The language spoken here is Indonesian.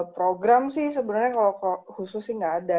program sih sebenarnya kalau khusus sih nggak ada